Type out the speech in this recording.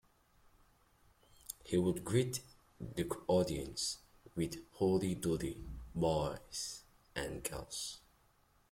He would greet the audience with ""Howdy Doody, boys and girls!